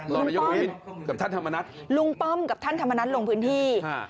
รอบรายยกวินท่านธรรมนัสลุงป้อมกับท่านธรรมนัสลงพื้นที่